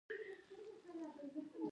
د سړي سر عاید څومره دی؟